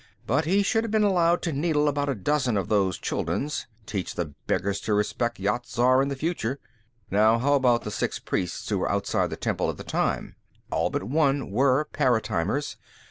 "But he should have been allowed to needle about a dozen of those Chulduns. Teach the beggars to respect Yat Zar in the future. Now, how about the six priests who were outside the temple at the time? All but one were paratimers.